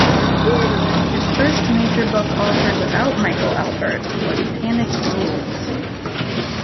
His first major book authored without Michael Albert was "Panic Rules".